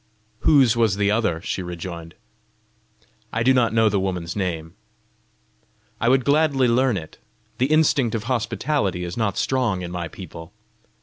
"Whose was the other?" she rejoined. "I do not know the woman's name." "I would gladly learn it! The instinct of hospitality is not strong in my people!"